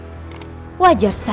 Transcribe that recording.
p immer menangkan lajullah